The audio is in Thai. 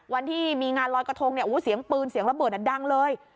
วันที่มีงานลอยกระทงเนี่ยเสียงปืนเสียงระเบิดดังเลย